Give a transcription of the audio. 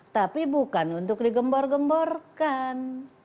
tapi bukan untuk digembor gemborkan